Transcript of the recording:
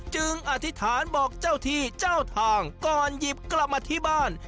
อธิษฐานบอกเจ้าที่เจ้าทางก่อนหยิบกลับมาที่บ้าน